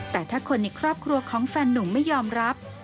แต่ถ้าคนในครอบครัวของแฟนหนุ่มไม่ยอมรับ